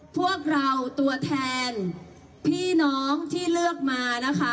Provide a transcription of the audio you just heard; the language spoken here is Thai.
พวกเราตัวแทนพี่น้องที่เลือกมานะคะ